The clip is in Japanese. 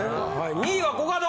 ２位はコカド。